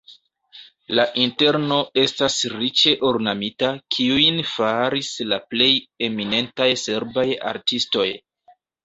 La interno estas riĉe ornamita, kiujn faris la plej eminentaj serbaj artistoj.